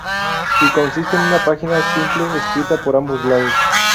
Y consiste en una página simple escrita por ambos lados.